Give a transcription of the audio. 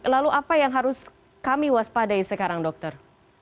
lalu apa yang harus kami waspadai sekarang dokter